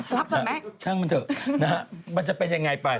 รับกันไหมช่างมันเถอะนะมันจะเป็นอย่างไรป่าว